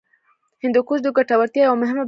هندوکش د ګټورتیا یوه مهمه برخه ده.